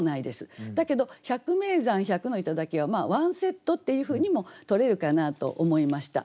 だけど「百名山」「百の頂」はワンセットっていうふうにもとれるかなと思いました。